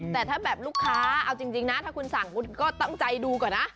แต่ถ้าแบบลูกค้าเอาจริงนะถ้าคุณสั่งคุณก็ตั้งใจดูก่อนนะ